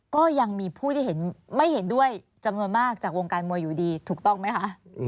ก็ยังมีผู้ที่เห็นไม่เห็นด้วยจำนวนมากจากวงการมวยอยู่ดีถูกต้องไหมคะ